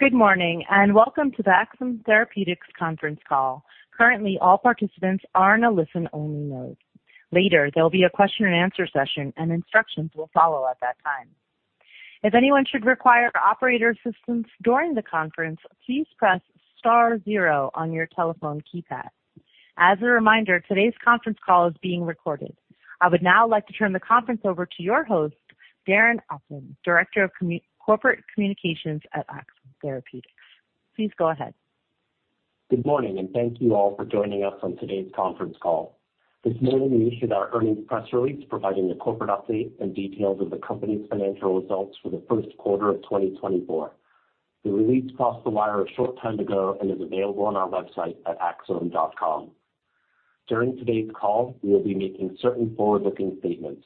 Good morning, and welcome to the Axsome Therapeutics conference call. Currently, all participants are in a listen-only mode. Later, there will be a question-and-answer session, and instructions will follow at that time. If anyone should require operator assistance during the conference, please press star zero on your telephone keypad. As a reminder, today's conference call is being recorded. I would now like to turn the conference over to your host, Darren Opland, Director of Corporate Communications at Axsome Therapeutics. Please go ahead. Good morning, and thank you all for joining us on today's conference call. This morning, we issued our earnings press release, providing a corporate update and details of the company's financial results for the first quarter of 2024. The release crossed the wire a short time ago and is available on our website at axsome.com. During today's call, we will be making certain forward-looking statements.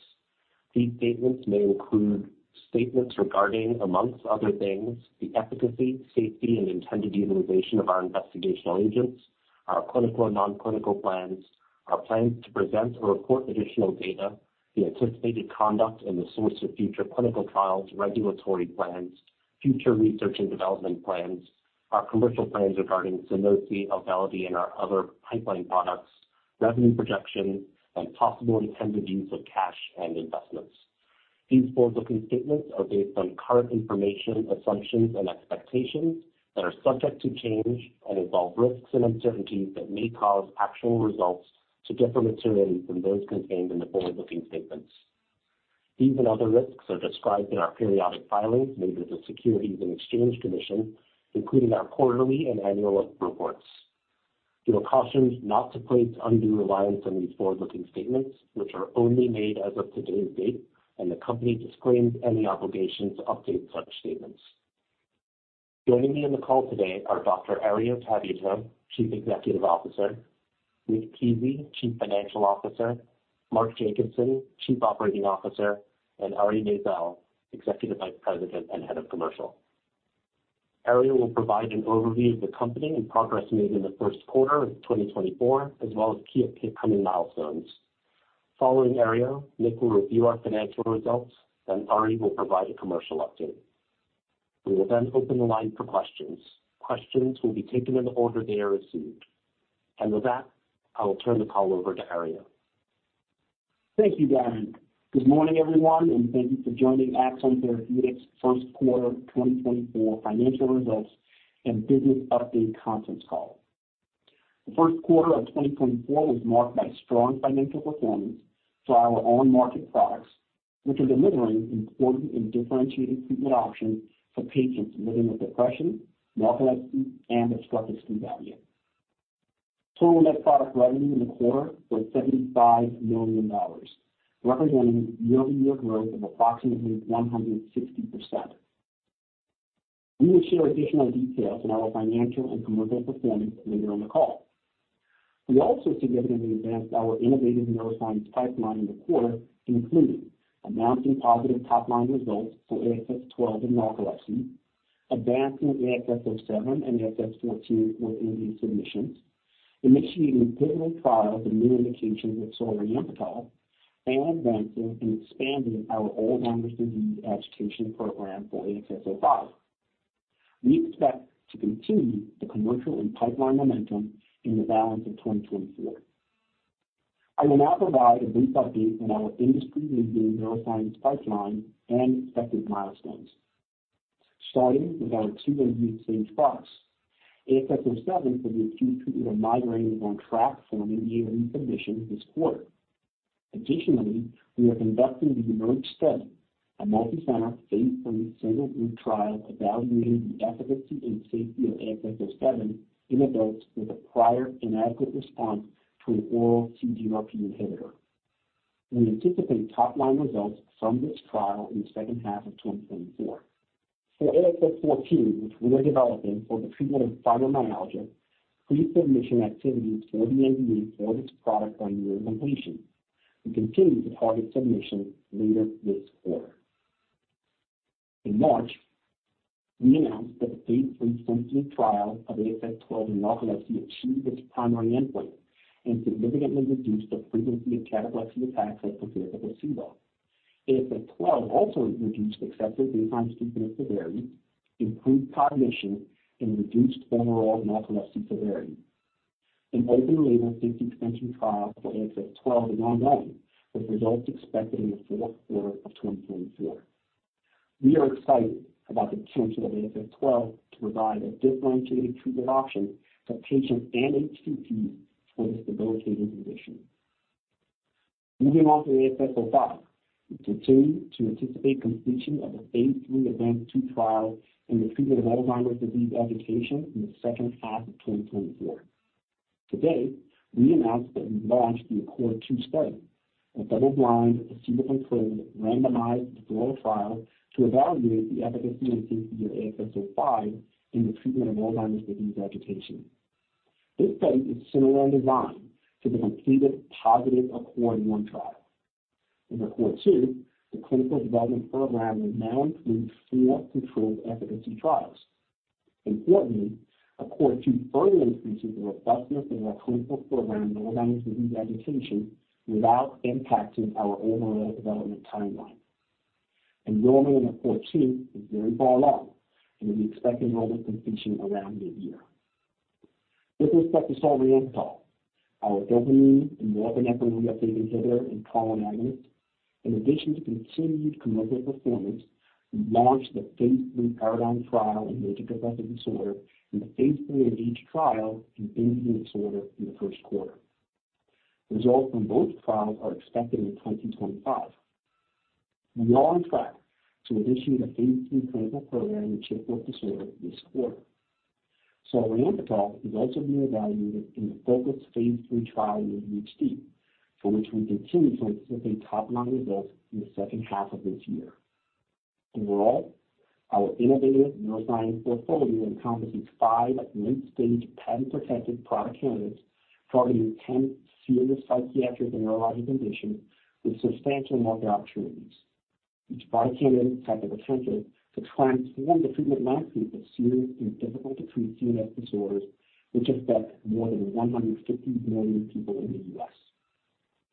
These statements may include statements regarding, among other things, the efficacy, safety, and intended utilization of our investigational agents, our clinical and non-clinical plans, our plans to present or report additional data, the anticipated conduct and the source of future clinical trials, regulatory plans, future research and development plans, our commercial plans regarding Sunosi, Auvelity, and our other pipeline products, revenue projections, and possible intended use of cash and investments. These forward-looking statements are based on current information, assumptions, and expectations that are subject to change and involve risks and uncertainties that may cause actual results to differ materially from those contained in the forward-looking statements. These and other risks are described in our periodic filings made with the Securities and Exchange Commission, including our quarterly and annual reports. We are cautioned not to place undue reliance on these forward-looking statements, which are only made as of today's date, and the company disclaims any obligation to update such statements. Joining me on the call today are Dr. Herriot Tabuteau, Chief Executive Officer; Nick Pizzie, Chief Financial Officer; Mark Jacobson, Chief Operating Officer; and Ari Nowacek, Executive Vice President and Head of Commercial. Herriot will provide an overview of the company and progress made in the first quarter of 2024, as well as key upcoming milestones. Following Ari, Nick will review our financial results, then Ari will provide a commercial update. We will then open the line for questions. Questions will be taken in the order they are received. With that, I will turn the call over to Ari. Thank you, Darren. Good morning, everyone, and thank you for joining Axsome Therapeutics' first quarter of 2024 financial results and business update conference call. The first quarter of 2024 was marked by strong financial performance for our own market products, which are delivering important and differentiated treatment options for patients living with depression, narcolepsy, and obstructive sleep apnea. Total net product revenue in the quarter was $75 million, representing year-over-year growth of approximately 160%. We will share additional details on our financial and commercial performance later on the call. We also significantly advanced our innovative neuroscience pipeline in the quarter, including announcing positive top-line results for AXS-12 in narcolepsy, advancing AXS-07 and AXS-14 with IND submissions, initiating pivotal trials and new indications with solriamfetol, and advancing and expanding our Alzheimer's disease education program for AXS-05. We expect to continue the commercial and pipeline momentum in the balance of 2024. I will now provide a brief update on our industry-leading neuroscience pipeline and expected milestones. Starting with our two IND stage products. AXS-07 for the acute treatment of migraines is on track for an IND submission this quarter. Additionally, we are conducting the EMERGE study, a multicenter, phase 3, single group trial evaluating the efficacy and safety of AXS-07 in adults with a prior inadequate response to an oral CGRP inhibitor. We anticipate top-line results from this trial in the second half of 2024. For AXS-14, which we are developing for the treatment of fibromyalgia, pre-submission activities for the IND for this product are near completion. We continue to target submission later this quarter. In March, we announced that the phase III flexibility trial of AXS-12 in narcolepsy achieved its primary endpoint and significantly reduced the frequency of cataplexy attacks as compared to placebo. AXS-12 also reduced excessive daytime sleepiness severity, improved cognition and reduced overall narcolepsy severity. An open-label safety extension trial for AXS-12 is ongoing, with results expected in the fourth quarter of 2024. We are excited about the potential of AXS-12 to provide a differentiated treatment option for patients and HCPs for this debilitating condition. Moving on to AXS-05, we continue to anticipate completion of the phase 3 ADVANCE-2 trial in the treatment of Alzheimer's disease agitation in the second half of 2024. Today, we announced that we've launched the ACCORD-2 study, a double-blind, placebo-controlled, randomized, controlled trial to evaluate the efficacy and safety of AXS-05 in the treatment of Alzheimer's disease agitation. This study is similar in design to the completed positive ACCORD-1 trial. In ACCORD-2, the clinical development program will now include four controlled efficacy trials. Importantly, ACCORD-2 further increases the robustness in our clinical program, Alzheimer's disease agitation, without impacting our overall development timeline. Enrollment in ACCORD-2 is very far along, and we expect enrollment completion around midyear... With respect to solriamfetol, our dopamine and norepinephrine reuptake inhibitor and serotonin agonist. In addition to continued commercial performance, we launched the phase 3 PARADIGM trial in major depressive disorder and the phase 3 ENGAGE trial in binge eating disorder in the first quarter. Results from both trials are expected in 2025. We are on track to initiate a phase 3 clinical program in bipolar disorder this quarter. Solriamfetol is also being evaluated in the FOCUS phase 3 trial in ADHD, for which we continue to anticipate top-line results in the second half of this year. Overall, our innovative neuroscience portfolio encompasses five late-stage, patent-protected product candidates targeting 10 serious psychiatric and neurologic conditions with substantial market opportunities. Each product candidate has the potential to transform the treatment landscape of serious and difficult to treat CNS disorders, which affect more than 150 million people in the U.S.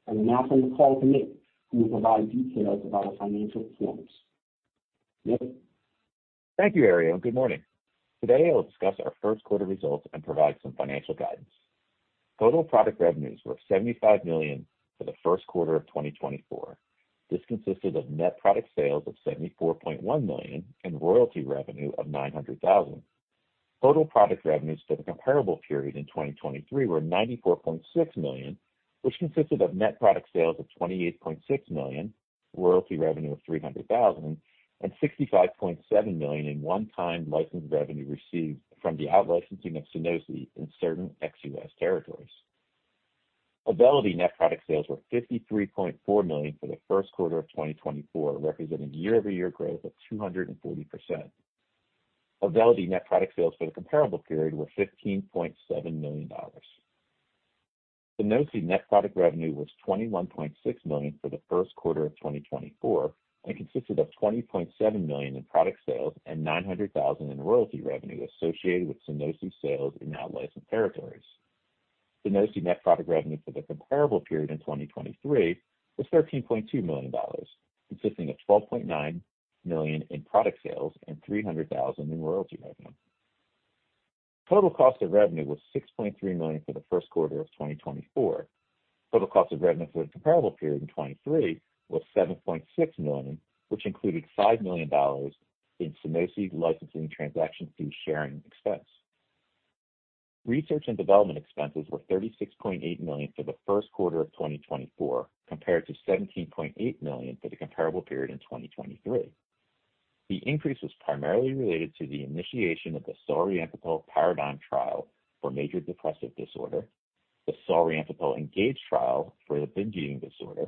I will now turn the call to Nick, who will provide details about our financial performance. Nick? Thank you, Ari, and good morning. Today, I'll discuss our first quarter results and provide some financial guidance. Total product revenues were $75 million for the first quarter of 2024. This consisted of net product sales of $74.1 million and royalty revenue of $900,000. Total product revenues for the comparable period in 2023 were $94.6 million, which consisted of net product sales of $28.6 million, royalty revenue of $300,000, and $65.7 million in one-time license revenue received from the out-licensing of Sunosi in certain ex-US territories. Auvelity net product sales were $53.4 million for the first quarter of 2024, representing year-over-year growth of 240%. Auvelity net product sales for the comparable period were $15.7 million. Sunosi net product revenue was $21.6 million for the first quarter of 2024 and consisted of $20.7 million in product sales and $900,000 in royalty revenue associated with Sunosi sales in out-licensed territories. Sunosi net product revenue for the comparable period in 2023 was $13.2 million, consisting of $12.9 million in product sales and $300,000 in royalty revenue. Total cost of revenue was $6.3 million for the first quarter of 2024. Total cost of revenue for the comparable period in 2023 was $7.6 million, which included $5 million in Sunosi licensing transaction fee sharing expense. Research and development expenses were $36.8 million for the first quarter of 2024, compared to $17.8 million for the comparable period in 2023. The increase was primarily related to the initiation of the solriamfetol PARADIGM trial for major depressive disorder, the solriamfetol ENGAGE trial for the binge eating disorder,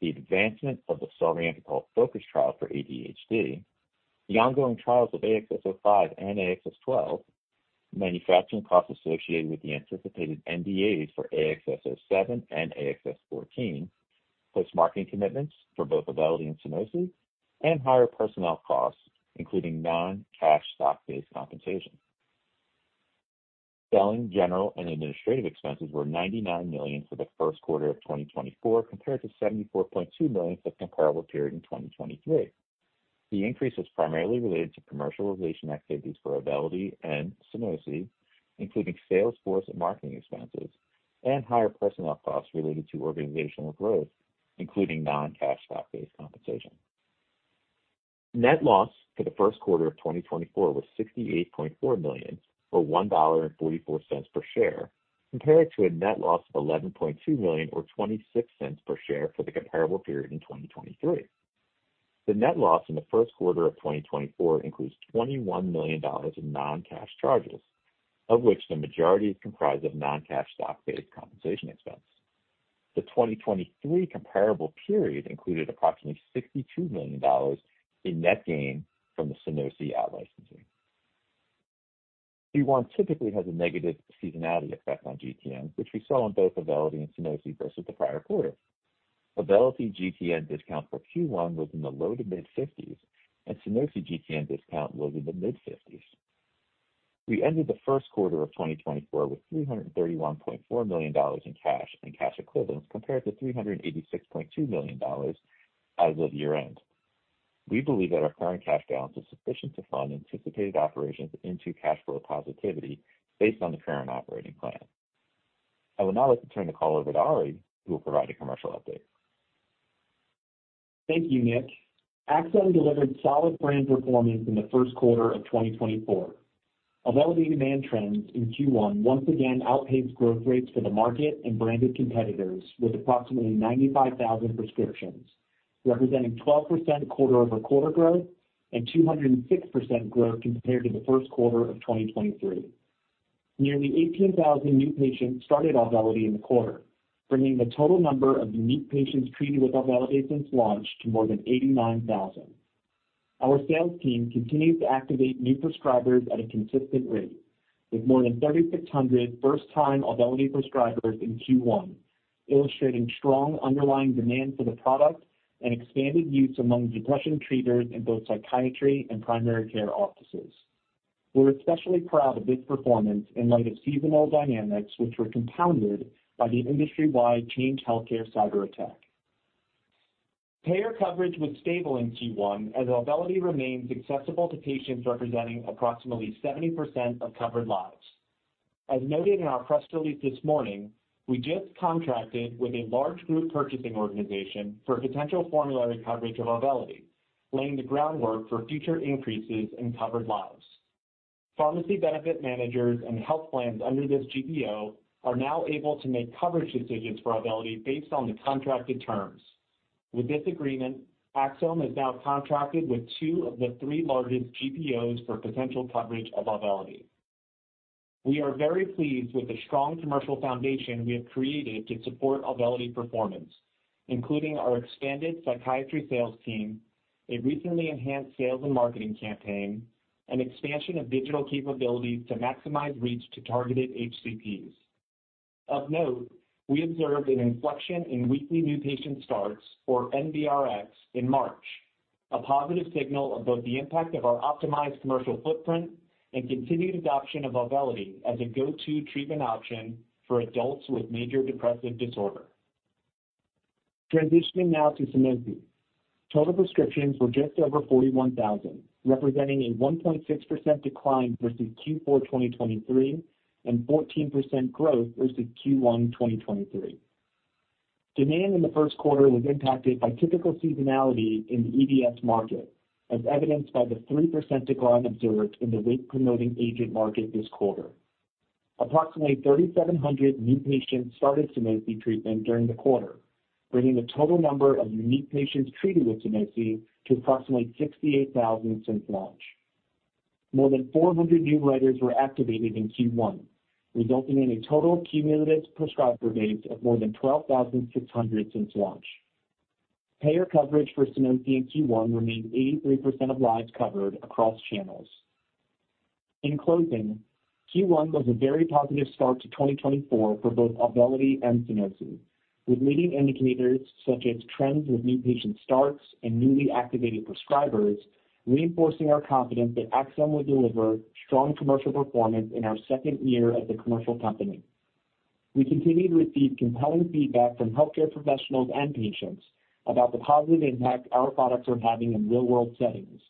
the advancement of the solriamfetol FOCUS trial for ADHD, the ongoing trials of AXS-05 and AXS-12, manufacturing costs associated with the anticipated NDAs for AXS-07 and AXS-14, post-marketing commitments for both Auvelity and Sunosi, and higher personnel costs, including non-cash stock-based compensation. Selling, general, and administrative expenses were $99 million for the first quarter of 2024, compared to $74.2 million for the comparable period in 2023. The increase was primarily related to commercialization activities for Auvelity and Sunosi, including sales force and marketing expenses, and higher personnel costs related to organizational growth, including non-cash stock-based compensation. Net loss for the first quarter of 2024 was $68.4 million, or $1.44 per share, compared to a net loss of $11.2 million, or $0.26 per share for the comparable period in 2023. The net loss in the first quarter of 2024 includes $21 million in non-cash charges, of which the majority is comprised of non-cash stock-based compensation expense. The 2023 comparable period included approximately $62 million in net gain from the Sunosi out-licensing. Q1 typically has a negative seasonality effect on GTN, which we saw in both Auvelity and Sunosi versus the prior quarter. Auvelity GTN discount for Q1 was in the low-to-mid 50s, and Sunosi GTN discount was in the mid-50s. We ended the first quarter of 2024 with $331.4 million in cash and cash equivalents, compared to $386.2 million as of year-end. We believe that our current cash balance is sufficient to fund anticipated operations into cash flow positivity based on the current operating plan. I would now like to turn the call over to Ari, who will provide a commercial update. Thank you, Nick. Axsome delivered solid brand performance in the first quarter of 2024. Auvelity demand trends in Q1 once again outpaced growth rates for the market and branded competitors, with approximately 95,000 prescriptions, representing 12% quarter-over-quarter growth and 206% growth compared to the first quarter of 2023. Nearly 18,000 new patients started Auvelity in the quarter, bringing the total number of unique patients treated with Auvelity since launch to more than 89,000. Our sales team continues to activate new prescribers at a consistent rate, with more than 3,600 first-time Auvelity prescribers in Q1, illustrating strong underlying demand for the product and expanded use among depression treaters in both psychiatry and primary care offices. We're especially proud of this performance in light of seasonal dynamics, which were compounded by the industry-wide Change Healthcare cyberattack.... Payer coverage was stable in Q1 as Auvelity remains accessible to patients representing approximately 70% of covered lives. As noted in our press release this morning, we just contracted with a large group purchasing organization for potential formulary coverage of Auvelity, laying the groundwork for future increases in covered lives. Pharmacy benefit managers and health plans under this GPO are now able to make coverage decisions for Auvelity based on the contracted terms. With this agreement, Axsome is now contracted with 2 of the 3 largest GPOs for potential coverage of Auvelity. We are very pleased with the strong commercial foundation we have created to support Auvelity performance, including our expanded psychiatry sales team, a recently enhanced sales and marketing campaign, and expansion of digital capabilities to maximize reach to targeted HCPs. Of note, we observed an inflection in weekly new patient starts, or NBRX, in March, a positive signal of both the impact of our optimized commercial footprint and continued adoption of Auvelity as a go-to treatment option for adults with major depressive disorder. Transitioning now to Sunosi. Total prescriptions were just over 41,000, representing a 1.6% decline versus Q4 2023, and 14% growth versus Q1 2023. Demand in the first quarter was impacted by typical seasonality in the EDS market, as evidenced by the 3% decline observed in the weight-promoting agent market this quarter. Approximately 3,700 new patients started Sunosi treatment during the quarter, bringing the total number of unique patients treated with Sunosi to approximately 68,000 since launch. More than 400 new prescribers were activated in Q1, resulting in a total cumulative prescriber base of more than 12,600 since launch. Payer coverage for Sunosi in Q1 remained 83% of lives covered across channels. In closing, Q1 was a very positive start to 2024 for both Auvelity and Sunosi, with leading indicators such as trends with new patient starts and newly activated prescribers, reinforcing our confidence that Axsome will deliver strong commercial performance in our second year as a commercial company. We continue to receive compelling feedback from healthcare professionals and patients about the positive impact our products are having in real-world settings,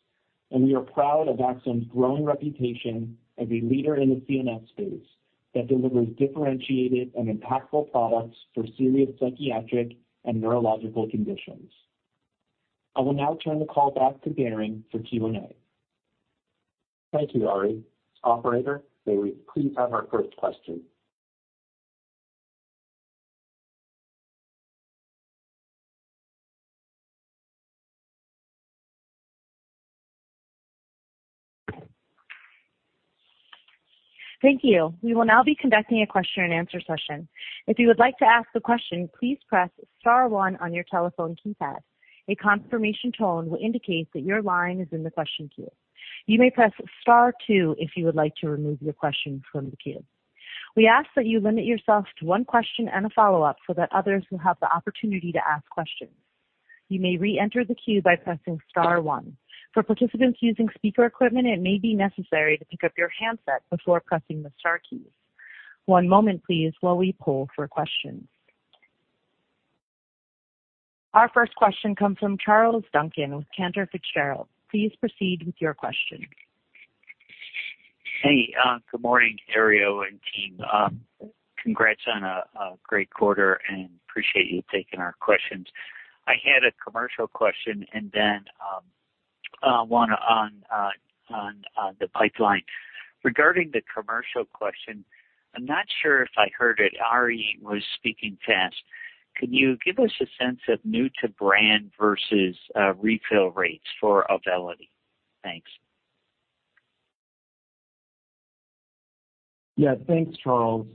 and we are proud of Axsome's growing reputation as a leader in the CNS space that delivers differentiated and impactful products for serious psychiatric and neurological conditions. I will now turn the call back to Darren for Q&A. Thank you, Ari. Operator, may we please have our first question? Thank you. We will now be conducting a question-and-answer session. If you would like to ask a question, please press star one on your telephone keypad. A confirmation tone will indicate that your line is in the question queue. You may press star two if you would like to remove your question from the queue. We ask that you limit yourself to one question and a follow-up so that others will have the opportunity to ask questions. You may reenter the queue by pressing star one. For participants using speaker equipment, it may be necessary to pick up your handset before pressing the star keys. One moment, please, while we poll for questions. Our first question comes from Charles Duncan with Cantor Fitzgerald. Please proceed with your question. Hey, good morning, Ari and team. Congrats on a great quarter and appreciate you taking our questions. I had a commercial question and then one on the pipeline. Regarding the commercial question, I'm not sure if I heard it. Ari was speaking fast. Could you give us a sense of new to brand versus refill rates for Auvelity? Thanks. Yeah. Thanks, Charles.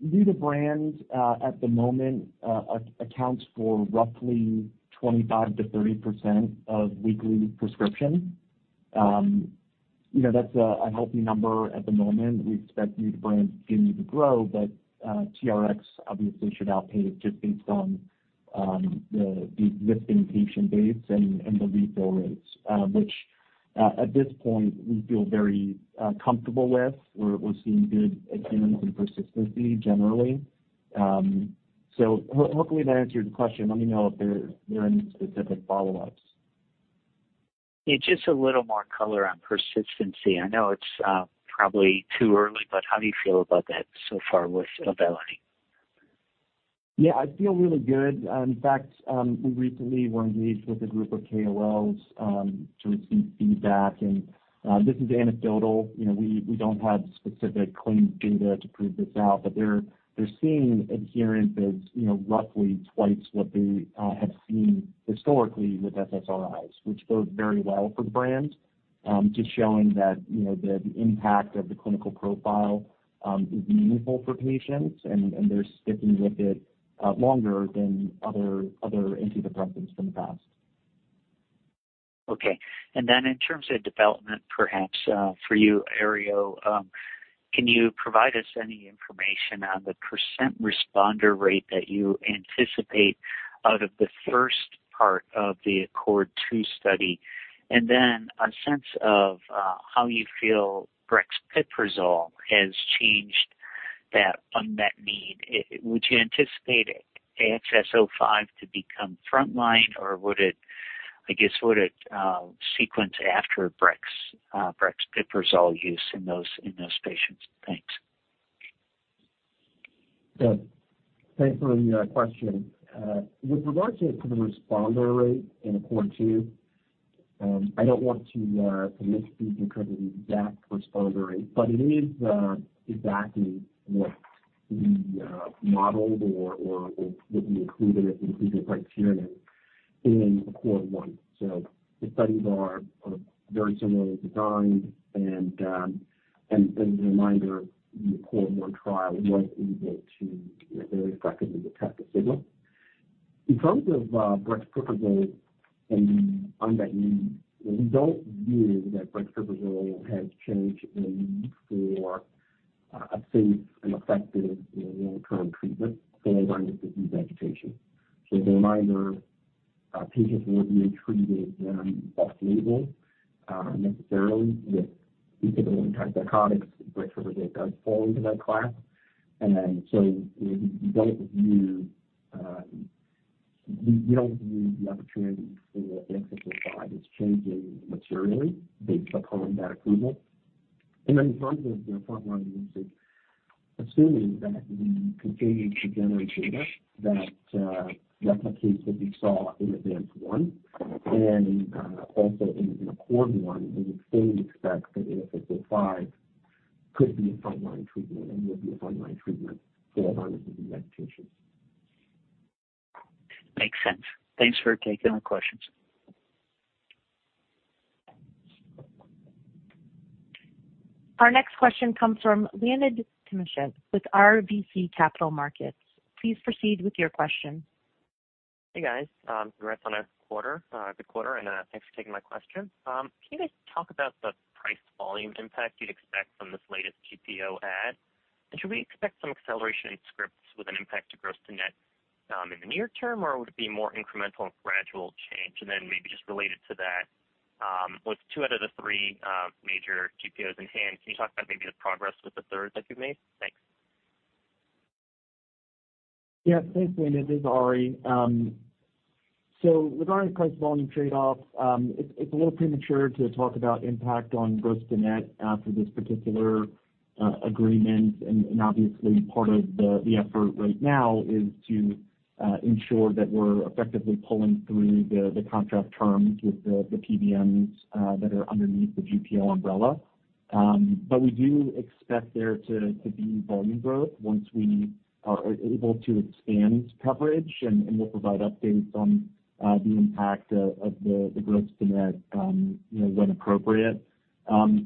New to brand at the moment accounts for roughly 25%-30% of weekly prescription. You know, that's a healthy number at the moment. We expect new to brand to continue to grow, but TRX obviously should outpace just based on the existing patient base and the refill rates, which at this point, we feel very comfortable with. We're seeing good adherence and persistency generally. So hopefully that answered the question. Let me know if there are any specific follow-ups. Yeah, just a little more color on persistency. I know it's probably too early, but how do you feel about that so far with Auvelity? Yeah, I feel really good. In fact, we recently were engaged with a group of KOLs to receive feedback, and this is anecdotal. You know, we don't have specific claim data to prove this out, but they're seeing adherence as, you know, roughly twice what they have seen historically with SSRIs, which bodes very well for the brand. Just showing that, you know, the impact of the clinical profile is meaningful for patients, and they're sticking with it longer than other antidepressants from the past. Okay. And then in terms of development, perhaps, for you, Ari, can you provide us any information on the % responder rate that you anticipate out of the first part of the ACCORD-2 study? And then a sense of, how you feel brexpiprazole has changed... that unmet need, would you anticipate AXS-05 to become frontline, or would it, I guess, sequence after Brex, brexpiprazole use in those patients? Thanks. So thanks for the question. With regard to the responder rate in ACCORD-2, I don't want to commit to speaking in terms of the exact responder rate, but it is exactly what we modeled or what we included as the inclusion criterion in ACCORD-1. So the studies are very similarly designed and as a reminder, the ACCORD-1 trial was able to, you know, very effectively detect a signal. In terms of brexpiprazole and unmet need, we don't view that brexpiprazole has changed the need for a safe and effective, you know, long-term treatment for Alzheimer's disease agitation. So as a reminder, patients will be treated off-label necessarily with atypical antipsychotics. Brexpiprazole does fall into that class. So we don't view the opportunity for AXS-05 as changing materially based upon that approval. Then in terms of the frontline usage, assuming that we continue to generate data that replicates what we saw in ADVANCE-1 and also in ACCORD-1, we would still expect that AXS-05 could be a frontline treatment and will be a frontline treatment for Alzheimer's disease agitation. Makes sense. Thanks for taking my questions. Our next question comes from Leonid Timashev with RBC Capital Markets. Please proceed with your question. Hey, guys. Congrats on a quarter, good quarter, and, thanks for taking my question. Can you just talk about the price volume impact you'd expect from this latest GPO add? And should we expect some acceleration in scripts with an impact to gross to net, in the near term, or would it be more incremental and gradual change? And then maybe just related to that, with two out of the three, major GPOs in hand, can you talk about maybe the progress with the third that you've made? Thanks. Yes, thanks, Leonid. This is Ari. So regarding price volume trade-off, it's a little premature to talk about impact on gross to net after this particular agreement. And obviously, part of the effort right now is to ensure that we're effectively pulling through the contract terms with the PBMs that are underneath the GPO umbrella. But we do expect there to be volume growth once we are able to expand coverage, and we'll provide updates on the impact of the gross to net, you know, when appropriate.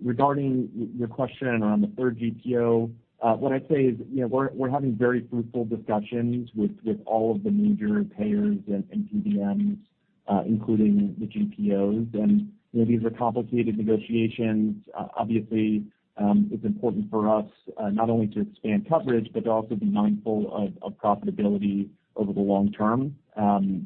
Regarding your question around the third GPO, what I'd say is, you know, we're having very fruitful discussions with all of the major payers and PBMs, including the GPOs. And you know, these are complicated negotiations. Obviously, it's important for us not only to expand coverage but to also be mindful of profitability over the long term,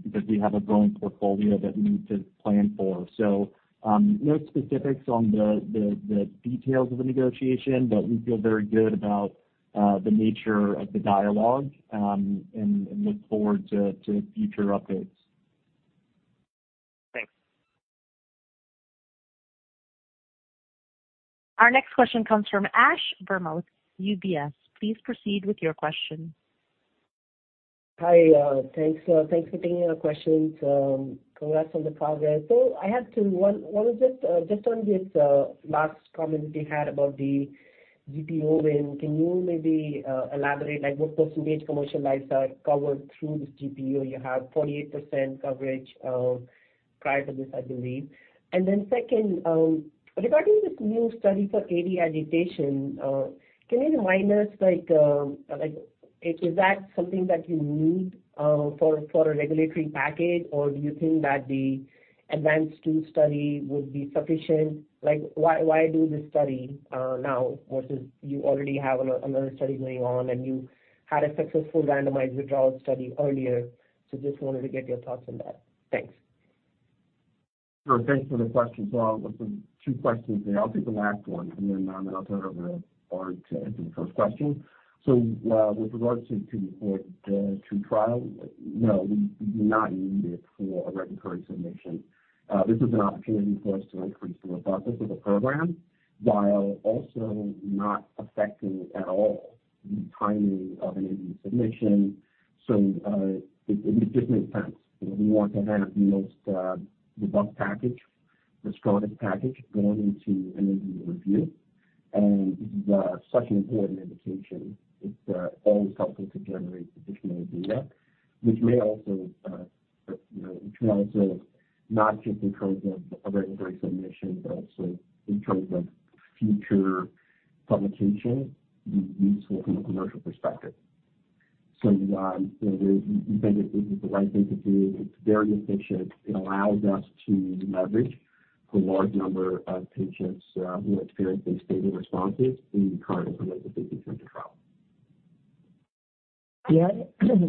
because we have a growing portfolio that we need to plan for. So, no specifics on the details of the negotiation, but we feel very good about the nature of the dialogue and look forward to future updates. Thanks. Our next question comes from Ashwani Verma with UBS. Please proceed with your question. Hi, thanks. Thanks for taking our questions. Congrats on the progress. So I have two. One is just on this last comment you had about the GPO win. Can you maybe elaborate, like, what percentage commercial lives are covered through this GPO? You have 48% coverage prior to this, I believe. And then second, regarding this new study for AD agitation, can you remind us, like, is that something that you need for a regulatory package? Or do you think that the ADVANCE-2 study would be sufficient? Like, why do this study now versus you already have another study going on, and you had a successful randomized withdrawal study earlier. So just wanted to get your thoughts on that. Thanks. Sure, thanks for the question. So with the two questions there, I'll take the last one, and then and I'll turn it over to Ari to answer the first question. So, with regards to the trial, no, we do not need it for a regulatory submission. This is an opportunity for us to increase the robustness of the program while also not affecting at all the timing of an IND submission. So, it just makes sense. You know, we want to have the most robust package, the strongest package going into an IND review. And, such an important indication, it's always helpful to generate additional data, which may also, you know, which may also, not just in terms of a regulatory submission, but also in terms of future publication, be useful from a commercial perspective. So, you know, we think it is the right thing to do. It's very efficient. It allows us to leverage a large number of patients, who experienced a stable responses in the current approved indication for the trial.... Yeah,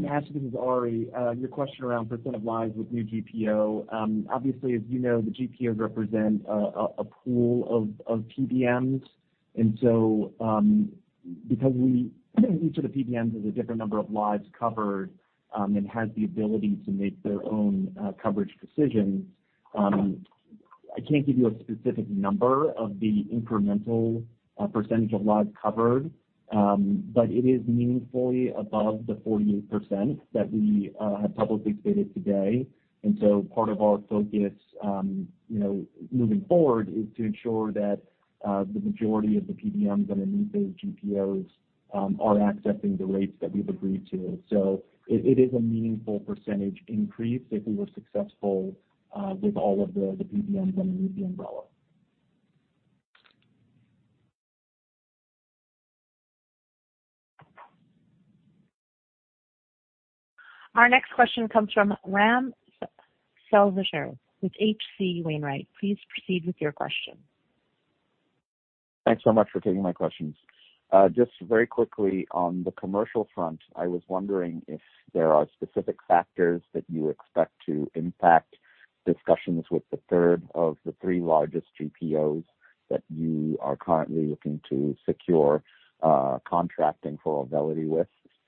Ash, this is Ari. Your question around percent of lives with new GPO. Obviously, as you know, the GPOs represent a pool of PBMs. And so, because each of the PBMs has a different number of lives covered, and has the ability to make their own coverage decisions, I can't give you a specific number of the incremental percentage of lives covered, but it is meaningfully above the 48% that we have publicly stated today. And so part of our focus, you know, moving forward is to ensure that the majority of the PBMs and the new phase GPOs are accessing the rates that we've agreed to. So it is a meaningful percentage increase if we were successful with all of the PBMs underneath the umbrella. Our next question comes from Ram Selvaraju with H.C. Wainwright. Please proceed with your question. Thanks so much for taking my questions. Just very quickly, on the commercial front, I was wondering if there are specific factors that you expect to impact discussions with the third of the three largest GPOs that you are currently looking to secure, contracting for Auvelity with?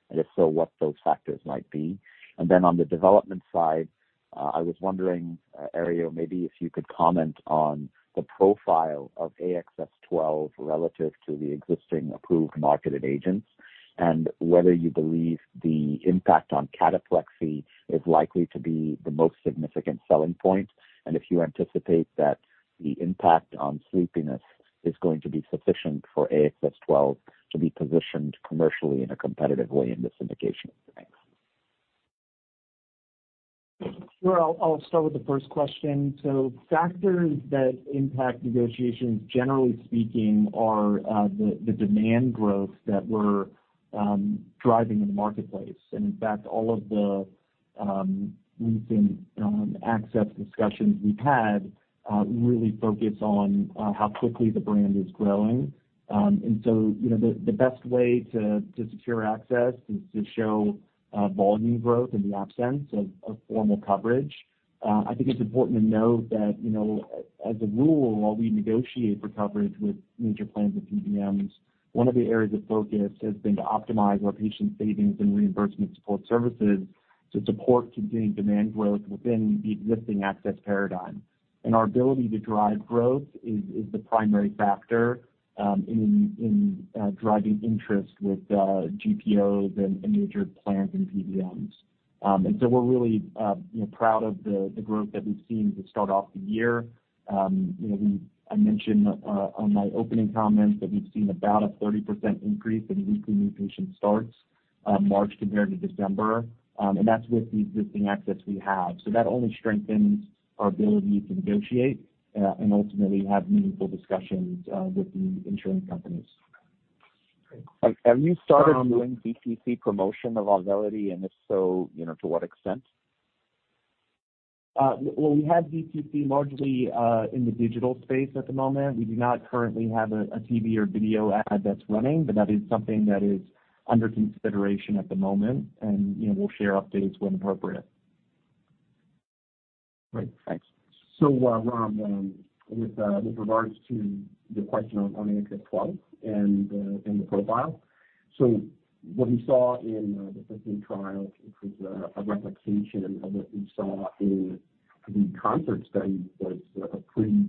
And if so, what those factors might be. And then on the development side, I was wondering, Ari, maybe if you could comment on the profile of AXS-12 relative to the existing approved marketed agents, and whether you believe the impact on cataplexy is likely to be the most significant selling point, and if you anticipate that the impact on sleepiness is going to be sufficient for AXS-12 to be positioned commercially in a competitive way in this indication. Thanks. Sure. I'll start with the first question. So factors that impact negotiations, generally speaking, are the demand growth that we're driving in the marketplace. And in fact, all of the recent access discussions we've had really focus on how quickly the brand is growing. And so, you know, the best way to secure access is to show volume growth in the absence of formal coverage. I think it's important to note that, you know, as a rule, while we negotiate for coverage with major plans and PBMs, one of the areas of focus has been to optimize our patient savings and reimbursement support services to support continuing demand growth within the existing access paradigm. Our ability to drive growth is the primary factor in driving interest with GPOs and major plans and PBMs. So we're really proud of the growth that we've seen to start off the year. I mentioned on my opening comments that we've seen about a 30% increase in weekly new patient starts, March compared to December, and that's with the existing access we have. So that only strengthens our ability to negotiate and ultimately have meaningful discussions with the insurance companies. Great. Have you started doing DTC promotion of Auvelity, and if so, you know, to what extent? Well, we have DTC largely in the digital space at the moment. We do not currently have a TV or video ad that's running, but that is something that is under consideration at the moment, and, you know, we'll share updates when appropriate. Great. Thanks. So, Ram, with regards to the question on AXS-12 and the profile. So what we saw in the phase 3 trial, which was a replication of what we saw in the concert study, was a pretty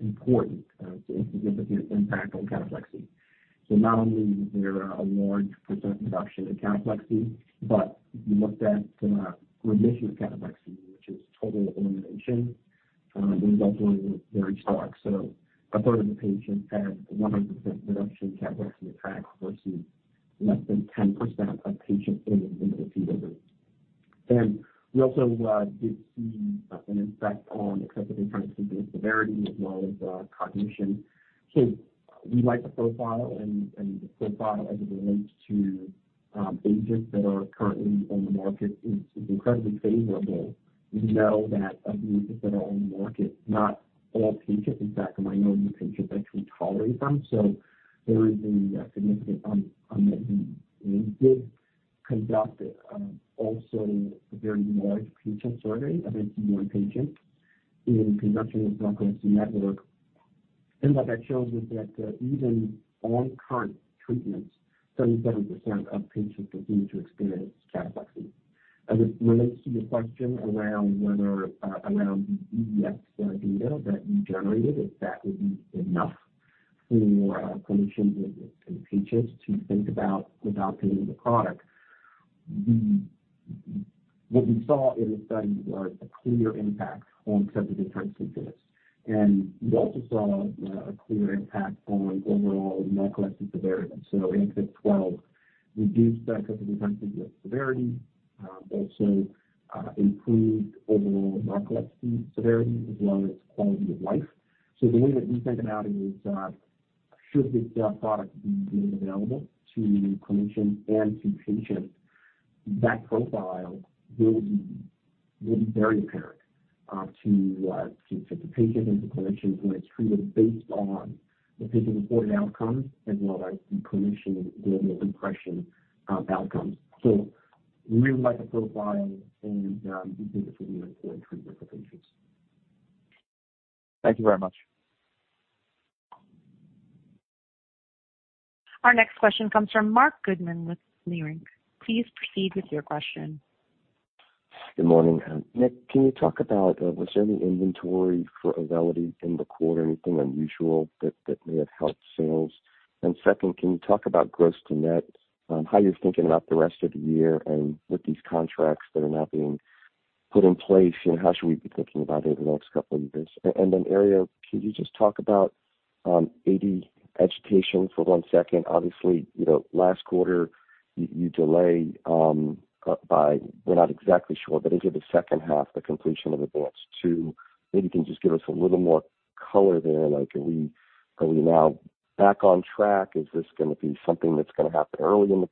important significant impact on cataplexy. So not only was there a large percent reduction in cataplexy, but we looked at remission of cataplexy, which is total elimination. The results were very stark. So a third of the patients had 100% reduction in cataplexy attacks versus less than 10% of patients in the placebo group. And we also did see an impact on excessive daytime sleepiness severity as well as cognition. So we like the profile, and the profile as it relates to agents that are currently on the market is incredibly favorable. We know that of the agents that are on the market, not all patients, in fact, a minority of patients, actually tolerate them, so there is a significant unmet need. We did conduct also a very large patient survey of MC one patients in conjunction with Narcolepsy Network. And what that shows is that even on current treatments, 77% of patients continue to experience cataplexy. As it relates to the question around whether around the EDS data that we generated, if that would be enough for clinicians and patients to think about adopting the product, what we saw in the study was a clear impact on excessive daytime sleepiness. And we also saw a clear impact on overall narcolepsy severity. So AXS-12 reduced that excessive daytime sleepiness severity, but also, improved overall narcolepsy severity as well as quality of life. So the way that we think about it is, should this product be made available to clinicians and to patients, that profile will be very apparent, to, to the patient and to clinicians when it's treated based on the patient-reported outcomes as well as the clinician global impression, outcomes. So we really like the profile, and, we think it will be important treatment for patients. Thank you very much. Our next question comes from Marc Goodman with Leerink. Please proceed with your question. Good morning. Nick, can you talk about was there any inventory for Auvelity in the quarter, anything unusual that that may have helped sales? And second, can you talk about gross to net, how you're thinking about the rest of the year? And with these contracts that are now being put in place, you know, how should we be thinking about over the next couple of years? And then Ari, can you just talk about AD agitation for one second? Obviously, you know, last quarter, you delay, by, we're not exactly sure, but into the second half, the completion of Advance 2. Maybe you can just give us a little more color there, like are we, are we now back on track? Is this gonna be something that's gonna happen early in the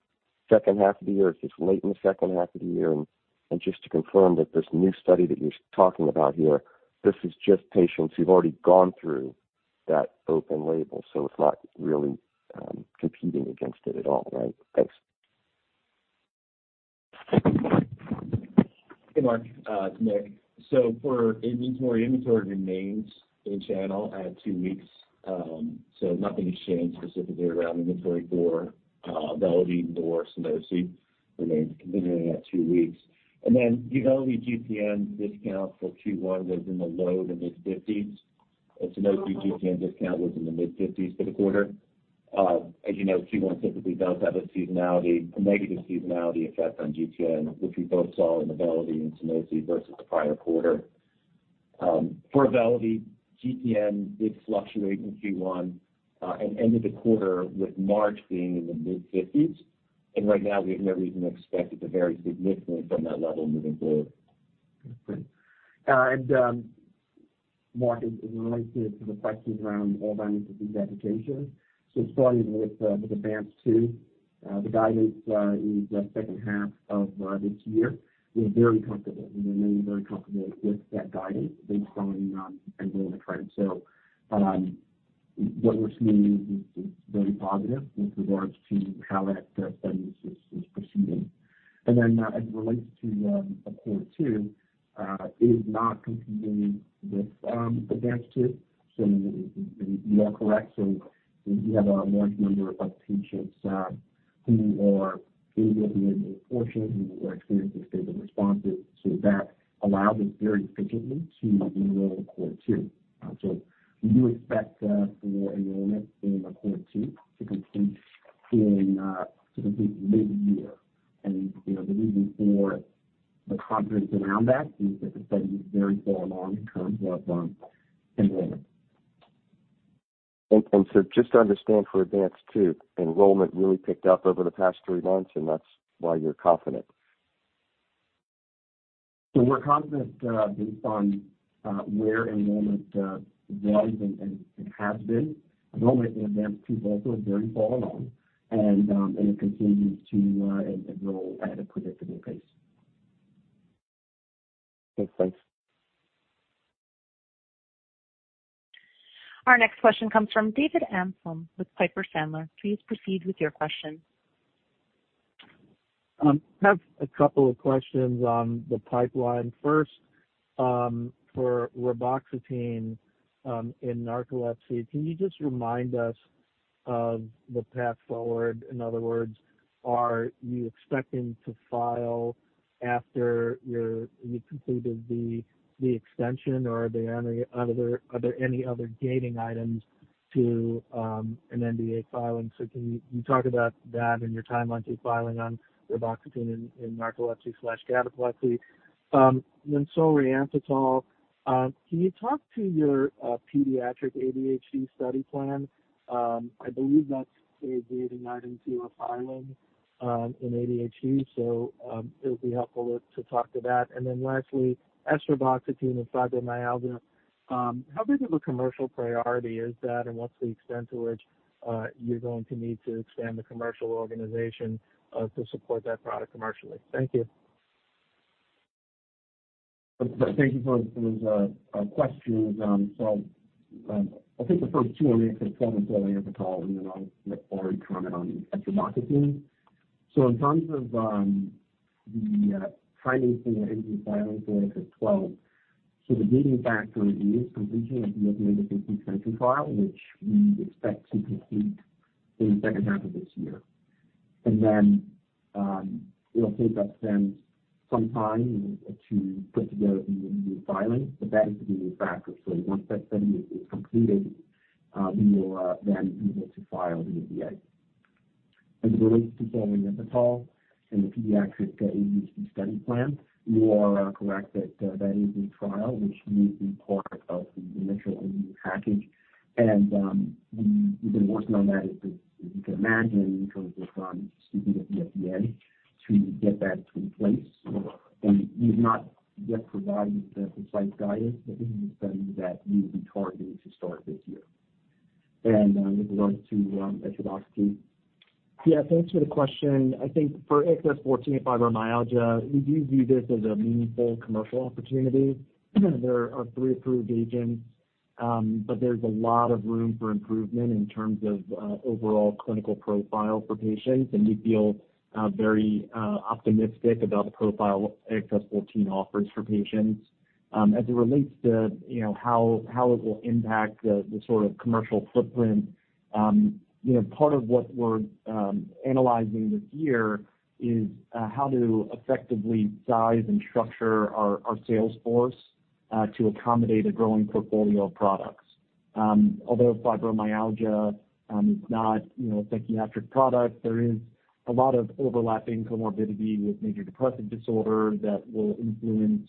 second half of the year, or is this late in the second half of the year? And, and just to confirm that this new study that you're talking about here, this is just patients who've already gone through that open label, so it's not really, competing against it at all, right? Thanks. Hey, Marc, it's Nick. So for inventory, inventory remains in channel at two weeks. So nothing has changed specifically around inventory for Auvelity nor Sunosi remains continuing at two weeks. And then the Auvelity GTN discount for Q1 was in the low- to mid-50s, and Sunosi GTN discount was in the mid-50s for the quarter. As you know, Q1 typically does have a seasonality, a negative seasonality effect on GTN, which we both saw in the Auvelity and Sunosi versus the prior quarter. For Auvelity, GTN did fluctuate in Q1, and ended the quarter with March being in the mid-50s, and right now we have no reason to expect it to vary significantly from that level moving forward. Okay, great. Marc, in relation to the questions around Alzheimer's disease agitation. So starting with Advance 2, the guidance is the second half of this year. We're very comfortable. We remain very comfortable with that guidance based on enrollment trend. So what we're seeing is very positive with regards to how that study is proceeding. And then, as it relates to Cohort 2, it is not competing with Advance 2. So you are correct. So we have a large number of patients who are able to be enrolled fortunately, who are experiencing stable responses. So that allows us very efficiently to enroll Cohort 2. So we do expect for enrollment in Cohort 2 to complete mid-year. You know, the reason for the confidence around that is that the study is very well along in terms of enrollment. Just to understand for ADVANCE-2, enrollment really picked up over the past three months, and that's why you're confident? So we're confident based on where enrollment was and has been. Enrollment in ADVANCE-2 also is very well along, and it continues to enroll at a predictable pace. Okay, thanks. Our next question comes from David Amsellem with Piper Sandler. Please proceed with your question. I have a couple of questions on the pipeline. First, for reboxetine, in narcolepsy, can you just remind us of the path forward? In other words, are you expecting to file after your... You completed the, the extension, or are there any other gating items to an NDA filing? So can you talk about that and your timeline to filing on reboxetine in narcolepsy slash cataplexy. Then, solriamfetol, can you talk to your pediatric ADHD study plan? I believe that's a gating item to your filing in ADHD, so it would be helpful to talk to that. And then lastly, esreboxetine and fibromyalgia. How big of a commercial priority is that, and what's the extent to which you're going to need to expand the commercial organization to support that product commercially? Thank you. Thank you for those questions. So, I'll take the first two and then for Solriamfetol, and then I'll let Ari comment on esreboxetine. So in terms of the timing for the ADHD filing for AXS-12, so the gating factor is completion of the stability file, which we expect to complete in the second half of this year. And then, it'll take us then some time to put together the NDA filing, but that is the gating factor. So once that study is completed, we will then be able to file the NDA. As it relates to Solriamfetol and the pediatric ADHD study plan, you are correct that that is a trial which will be part of the initial NDA package. We've been working on that, as you can imagine, in terms of speaking with the FDA to get that in place. We've not yet provided the precise guidance, but it is a study that we will be targeting to start this year. With regards to Etodolac. Yeah, thanks for the question. I think for AXS-14 and fibromyalgia, we do view this as a meaningful commercial opportunity. There are three approved agents, but there's a lot of room for improvement in terms of overall clinical profile for patients, and we feel very optimistic about the profile AXS-14 offers for patients. As it relates to, you know, how it will impact the sort of commercial footprint, you know, part of what we're analyzing this year is how to effectively size and structure our sales force to accommodate a growing portfolio of products. Although fibromyalgia is not, you know, a psychiatric product, there is a lot of overlapping comorbidity with major depressive disorder that will influence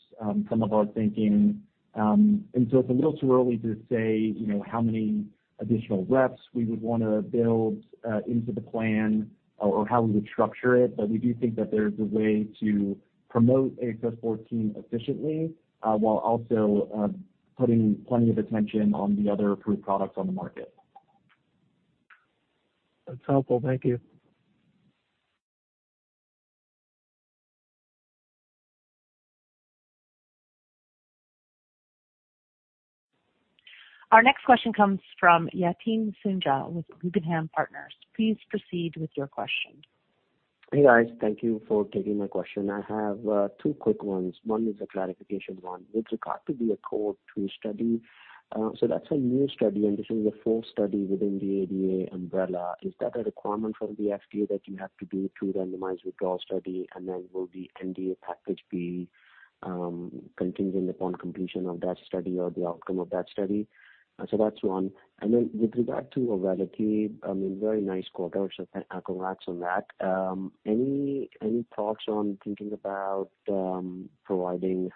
some of our thinking. And so it's a little too early to say, you know, how many additional reps we would wanna build into the plan or how we would structure it, but we do think that there's a way to promote AXS-14 efficiently while also putting plenty of attention on the other approved products on the market. That's helpful. Thank you. Our next question comes from Yatin Suneja with Guggenheim Partners. Please proceed with your question. Hey, guys. Thank you for taking my question. I have two quick ones. One is a clarification one. With regard to the ACCORD-2 study, so that's a new study, and this is a full study within the ADA umbrella. Is that a requirement from the FDA that you have to do two randomized withdrawal study? And then will the NDA package be contingent upon completion of that study or the outcome of that study? So that's one. And then with regard to Auvelity, I mean, very nice quarter, so congrats on that. Any thoughts on thinking about providing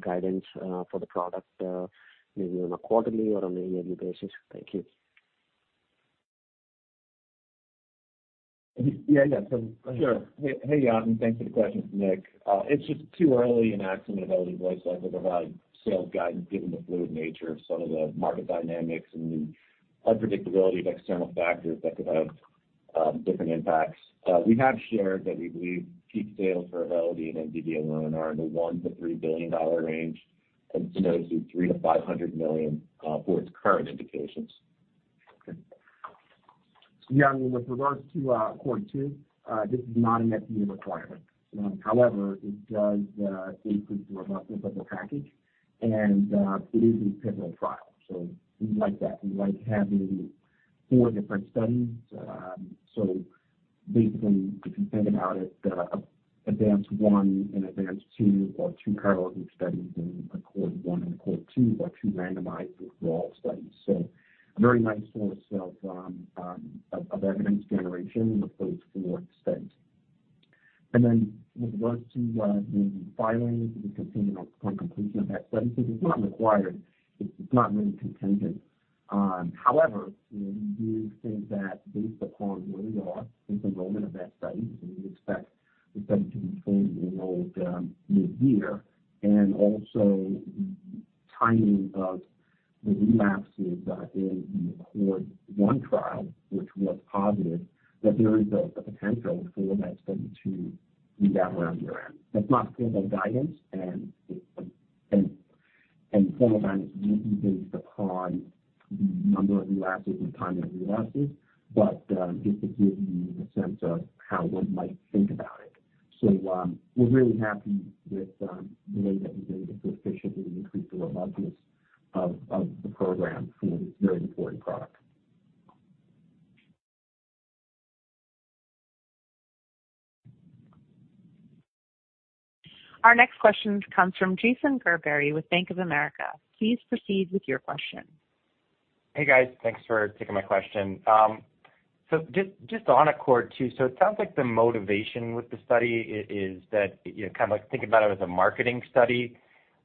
guidance for the product, maybe on a quarterly or on a yearly basis? Thank you. Yeah, yeah. So- Sure. Hey, Yatin. Thanks for the question. It's Nick. It's just too early in Axsome and Auvelity's life cycle to provide sales guidance, given the fluid nature of some of the market dynamics and the unpredictability of external factors that could have different impacts. We have shared that we believe peak sales for Auvelity and Sunosi alone are in the $1-$3 billion range, and Sunosi, $300-$500 million, for its current indications. Okay. Yatin, with regards to ACCORD-2, this is not an FDA requirement. However, it does increase the robustness of the package, and it is a pivotal trial, so we like that. We like having four different studies. So basically, if you think about it, ADVANCE-1 and ADVANCE-2 are two parallel group studies, and ACCORD-1 and ACCORD-2 are two randomized withdrawal studies. So a very nice source of evidence generation with those four studies. And then with regards to the filings and contingent on upon completion of that study, so it's not required. It's not really contingent. However, you know, we do think that based upon where we are with enrollment of that study, and we expect the study to be fully enrolled mid-year, and also the timing of the relapses in the ACCORD 1 trial, which was positive, that there is a potential for that study to be that around year-end. That's not formal guidance, and formal guidance usually depends upon the number of relapses and timing of relapses, but just to give you a sense of how one might think about it. So, we're really happy with the way that we've been able to efficiently increase the robustness of the program for a very important product. Our next question comes from Jason Gerberry with Bank of America. Please proceed with your question. Hey, guys. Thanks for taking my question. So just on ACCORD-2, so it sounds like the motivation with the study is that, you know, kind of like, think about it as a marketing study.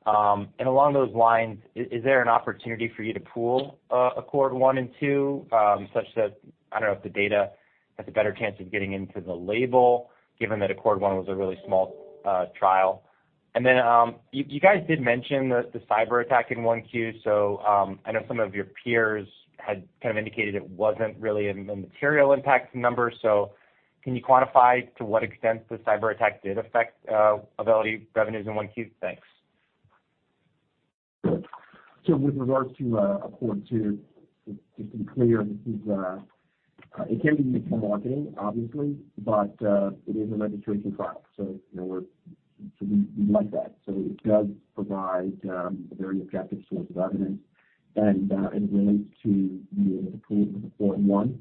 And along those lines, is there an opportunity for you to pool ACCORD-1 and ACCORD-2 such that... I don't know if the data has a better chance of getting into the label, given that ACCORD-1 was a really small trial. And then, you guys did mention the cyberattack in 1Q. So, I know some of your peers had kind of indicated it wasn't really a material impact to the numbers. So can you quantify to what extent the cyberattack did affect Auvelity revenues in 1Q? Thanks. So with regards to ACCORD-2, just to be clear, it can be used for marketing, obviously, but it is a registration trial. So, you know, we like that. So it does provide a very objective source of evidence. And it relates to the pooling with ACCORD-1,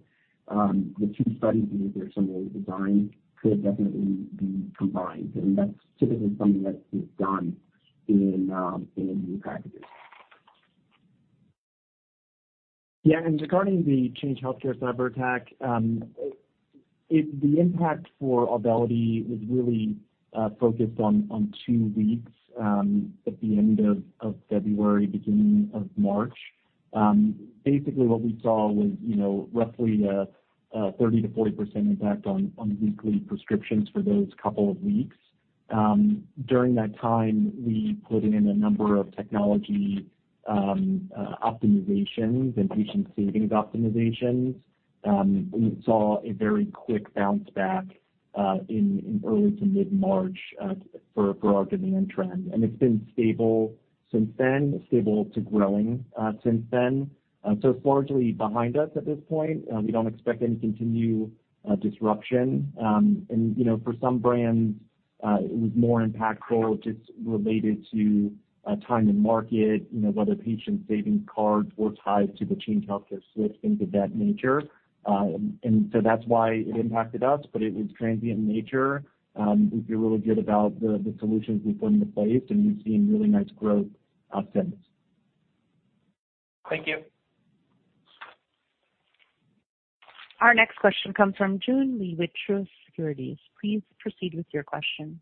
the two studies, even if they're similarly designed, could definitely be combined, and that's typically something that is done in new packages. Yeah, and regarding the Change Healthcare cyberattack, the impact for Auvelity was really focused on two weeks at the end of February, beginning of March. Basically, what we saw was, you know, roughly a 30%-40% impact on weekly prescriptions for those couple of weeks. During that time, we put in a number of technology optimizations and patient savings optimizations. We saw a very quick bounce back in early to mid-March for our demand trend, and it's been stable since then, stable to growing, since then. So it's largely behind us at this point. We don't expect any continued disruption. And, you know, for some brands, it was more impactful just related to time to market, you know, whether patient savings cards were tied to the Change Healthcare switch, things of that nature. So that's why it impacted us, but it was transient in nature. We feel really good about the solutions we put into place, and we've seen really nice growth since. Thank you. Our next question comes from Joon Lee with Truist Securities. Please proceed with your question....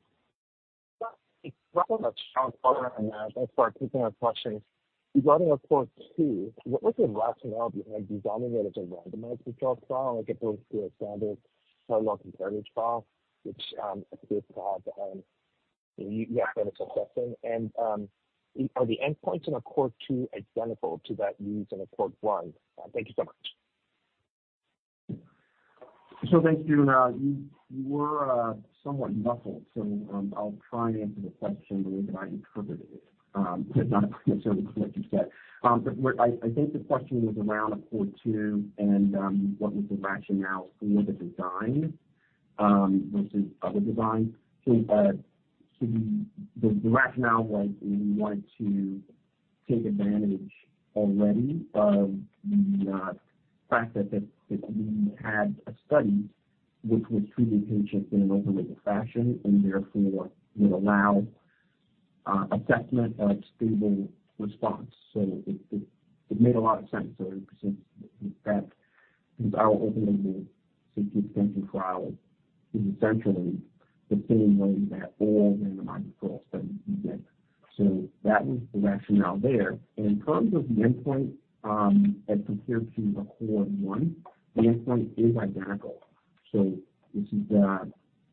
Thanks so much. Question. Regarding ACCORD-2, what was the rationale behind designing it as a randomized controlled trial against the standard trial comparison trial? And are the endpoints in ACCORD-2 identical to that used in ACCORD-1? Thank you so much. So thanks, Joon. You were somewhat muffled, so I'll try and answer the question the way that I interpreted it, but not necessarily what you said. But I think the question was around Accord 2 and what was the rationale for the design versus other designs? So the rationale was we wanted to take advantage already of the fact that we had a study which was treating patients in an open-label fashion and therefore would allow assessment of stable response. So it made a lot of sense. So since that our open-label safety extension trial is essentially the same way that all randomized controlled studies do it. So that was the rationale there. And in terms of the endpoint, as compared to Accord 1, the endpoint is identical.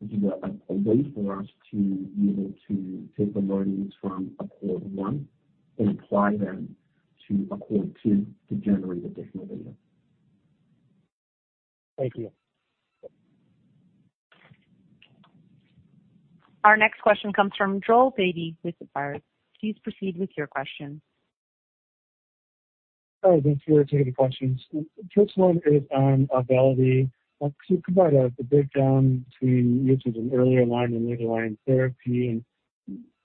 This is a way for us to be able to take the learnings from ACCORD-1 and apply them to ACCORD-2 to generate additional data. Thank you. Our next question comes from Joel Beatty with Baird. Please proceed with your question. Hi, thanks for taking the questions. The first one is on Auvelity. Can you provide the breakdown between usage and earlier line and later line therapy? And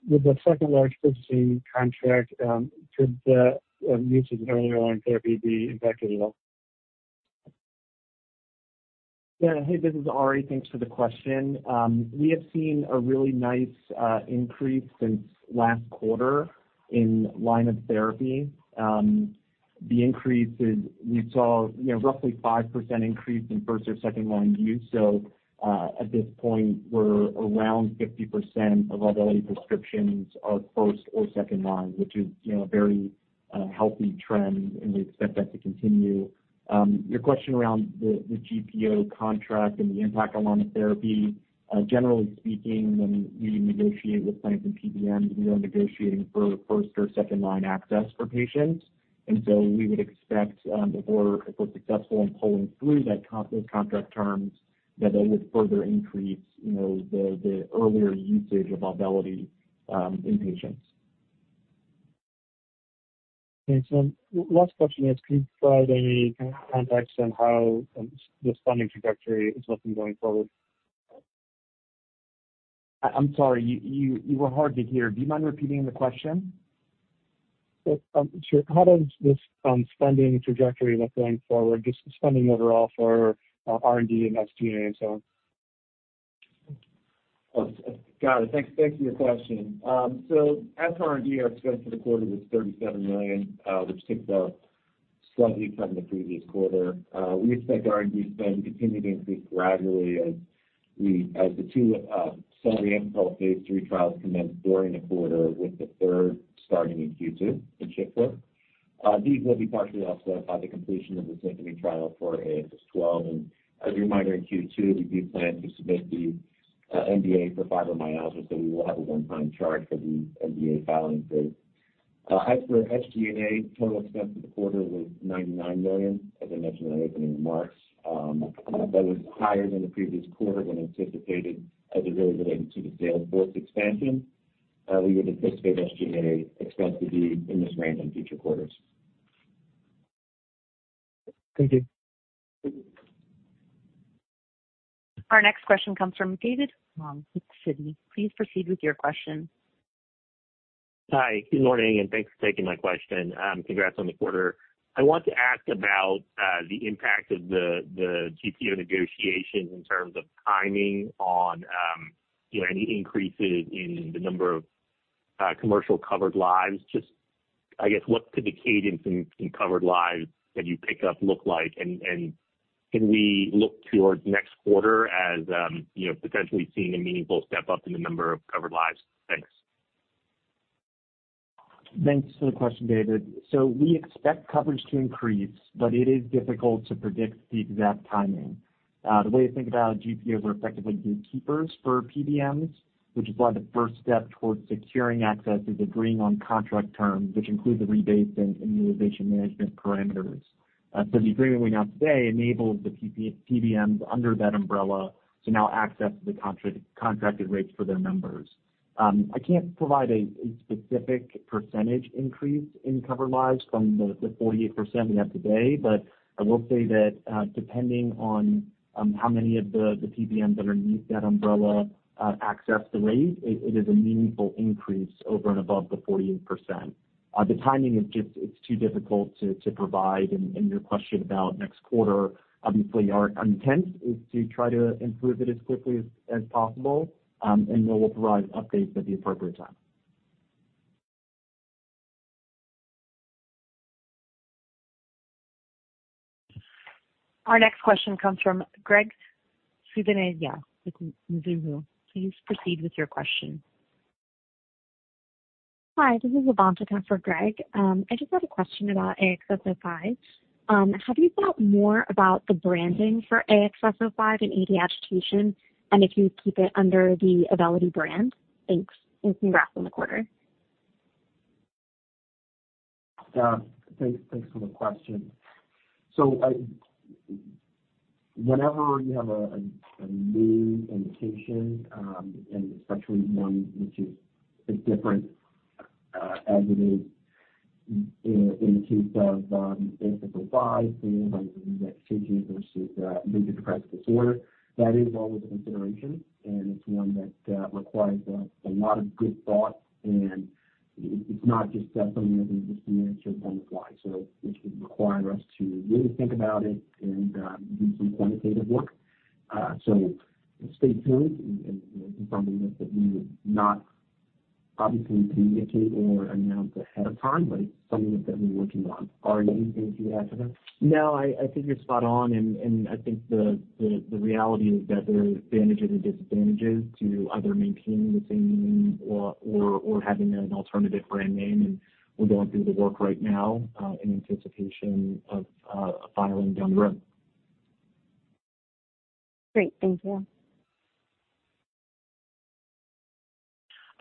with the second-largest purchasing contract, could the usage of earlier line therapy be impacted at all? Yeah. Hey, this is Ari. Thanks for the question. We have seen a really nice increase since last quarter in line of therapy. The increase is, we saw, you know, roughly 5% increase in first or second line use. So, at this point, we're around 50% of Auvelity prescriptions are first or second line, which is, you know, a very healthy trend, and we expect that to continue. Your question around the GPO contract and the impact on line of therapy, generally speaking, when we negotiate with plans and PBMs, we are negotiating for first or second line access for patients. And so we would expect, if we're successful in pulling through that, those contract terms, that that would further increase, you know, the earlier usage of Auvelity in patients. Thanks. Last question is, can you provide any kind of context on how this funding trajectory is looking going forward? I'm sorry, you were hard to hear. Do you mind repeating the question? Sure. How does this, funding trajectory look going forward, just funding overall for our R&D and SG&A and so on? Got it. Thanks, thank you for your question. As for R&D, our expense for the quarter was $37 million, which ticked up slightly from the previous quarter. We expect R&D spend to continue to increase gradually as the two, celariax and pulse phase 3 trials commenced during the quarter, with the third starting in Q2, in Chip work. These will be partially offset by the completion of the SYMPHONY trial for AXS-12. And as a reminder, in Q2, we do plan to submit the NDA for fibromyalgia, so we will have a one-time charge for the NDA filing fee. As for SG&A, total expense for the quarter was $99 million, as I mentioned in my opening remarks. That was higher than the previous quarter than anticipated as it related to the sales force expansion. We would anticipate SG&A expense to be in this range in future quarters. Thank you. Our next question comes from David with Sidney. Please proceed with your question. Hi, good morning, and thanks for taking my question. Congrats on the quarter. I want to ask about the impact of the GPO negotiations in terms of timing on, you know, any increases in the number of commercial covered lives. Just, I guess, what could the cadence in covered lives that you pick up look like? And can we look towards next quarter as, you know, potentially seeing a meaningful step up in the number of covered lives? Thanks. ... Thanks for the question, David. So we expect coverage to increase, but it is difficult to predict the exact timing. The way to think about GPOs are effectively gatekeepers for PBMs, which is why the first step towards securing access is agreeing on contract terms, which include the rebates and immunization management parameters. So the agreement we have today enables the PBMs under that umbrella to now access the contracted rates for their members. I can't provide a specific percentage increase in covered lives from the 48% we have today, but I will say that, depending on how many of the PBMs that are underneath that umbrella access the rate, it is a meaningful increase over and above the 48%. The timing is just, it's too difficult to provide. Your question about next quarter, obviously, our intent is to try to improve it as quickly as possible, and we'll provide updates at the appropriate time. Our next question comes from Graig Suvannavejh with Mizuho. Please proceed with your question. Hi, this is Avantica for Greg. I just had a question about AXS-05. Have you thought more about the branding for AXS-05 and AD agitation, and if you keep it under the Auvelity brand? Thanks, and congrats on the quarter. Yeah, thanks, thanks for the question. So I—whenever you have a new indication, and especially one which is different, as it is in the case of AXS-05, things like that versus major depressive disorder, that is well with the consideration, and it's one that requires a lot of good thought. And it's not just something that we just answer on the fly. So which would require us to really think about it and do some quantitative work. So stay tuned and confirming that we would not obviously communicate or announce ahead of time, but it's something that we're working on. Did you add to that? No, I think you're spot on, and I think the reality is that there are advantages and disadvantages to either maintaining the same name or having an alternative brand name, and we're going through the work right now, in anticipation of a filing down the road. Great. Thank you.